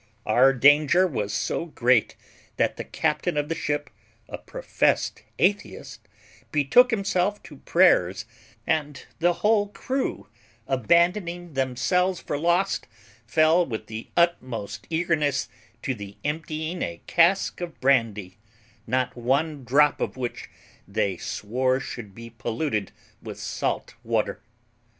Our danger was so great that the captain of the ship, a professed atheist, betook himself to prayers, and the whole crew, abandoning themselves for lost, fell with the utmost eagerness to the emptying a cask of brandy, not one drop of which they swore should be polluted with salt water.